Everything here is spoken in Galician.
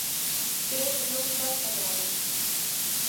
Creo que non falta nada.